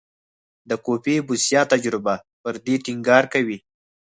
د کوفي بوسیا تجربه پر دې ټینګار کوي.